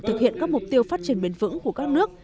thực hiện các mục tiêu phát triển bền vững của các nước